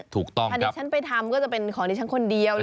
ถ้าเด็กฉันไปทำก็จะเป็นของเด็กฉันคนเดียวเลย